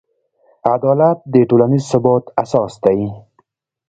عدالت د ټولنیز ثبات اساس دی.